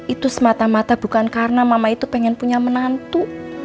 itu semata mata bukan karena mama itu pengen punya menantu